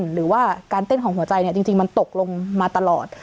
หรือว่าการเต้นของหัวใจจริงมันตกลงมาตลอด